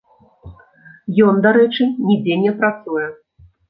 Ён, дарэчы, нідзе не працуе.